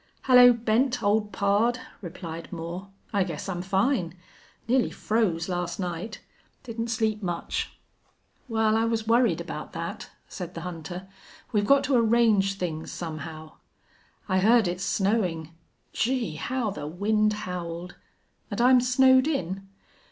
"Hello, Bent, old pard!" replied Moore. "I guess I'm fine. Nearly froze last night. Didn't sleep much." "Well, I was worried about that," said the hunter. "We've got to arrange things somehow." "I heard it snowing. Gee! how the wind howled! And I'm snowed in?"